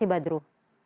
terima kasih badru